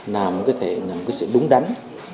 là một cái sự đúng đắn